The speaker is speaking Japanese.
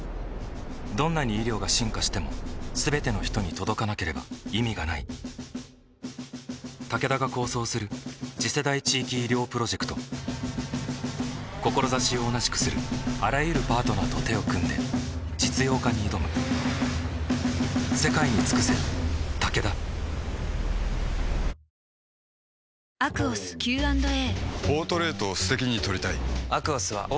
どんなに医療が進化しても全ての人に届かなければ意味がないタケダが構想する次世代地域医療プロジェクト志を同じくするあらゆるパートナーと手を組んで実用化に挑むいつもの洗たくじゃ落ちない靴下のニオイ